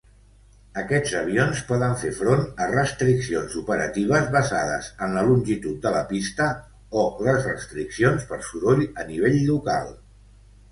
Aquests avions poden fer front a restriccions operatives basades en la longitud de la pista o les restriccions per soroll a nivell local.